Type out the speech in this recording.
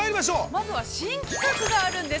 ◆まずは新企画があるんです。